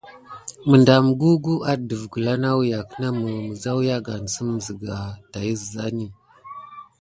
Məɗam gugu adəf gəla nawyak namə, məzawyagansəm zəga tay əzani.